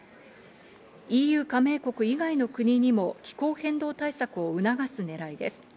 ＥＵ加盟国以外の国にも気候変動対策を促す狙いです。